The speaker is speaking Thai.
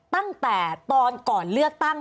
ตั้งแต่ตอนก่อนเลือกตั้ง